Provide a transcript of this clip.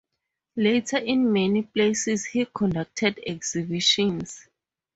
Later in many places he conducted exhibitions.